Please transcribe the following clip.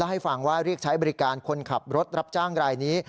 ให้ฟังว่าเรียกใช้บริการคนขับรถรับจ้างรายนี้